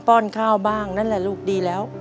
้อนข้าวบ้างนั่นแหละลูกดีแล้ว